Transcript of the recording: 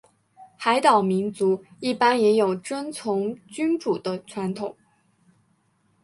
海岛民族一般也有尊崇君主的传统。